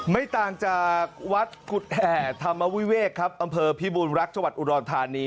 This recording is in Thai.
ไม่ต่างจากวัดกุฎแห่ธรรมวิเวกครับอำเภอพิบูรรักษ์จังหวัดอุดรธานี